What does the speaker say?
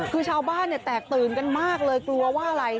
คือชาวบ้านแตกตื่นกันมากเลยกลัวว่าอะไร